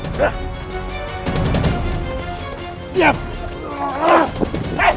kalian kan mau seperti orang ini